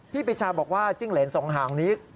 ปีชาบอกว่าจิ้งเหรนสองหางนี้